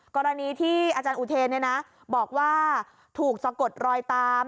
กรณีที่อาจารย์อุเทนบอกว่าถูกสะกดรอยตาม